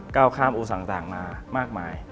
ก้าวข้ามอูสังต่างมามากมาย